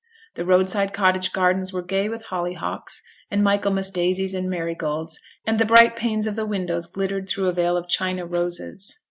The roadside cottage gardens were gay with hollyhocks and Michaelmas daisies and marigolds, and the bright panes of the windows glittered through a veil of China roses.